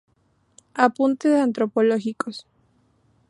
Apuntes antropológicos".